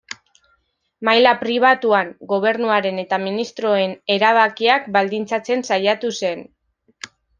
Maila pribatuan, gobernuaren eta ministroen erabakiak baldintzatzen saiatu zen.